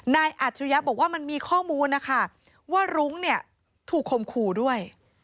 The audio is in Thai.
นายอาจุยะบอกว่ามันมีข้อมูลว่ารุ้งถูกคมคู่ด้วย